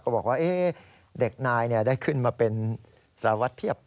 บอกว่าเด็กนายได้ขึ้นมาเป็นสารวัตรเพียบ